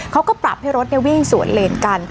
เขาก็ปรับให้รถเนี้ยวิ่งสวนเรียนกัน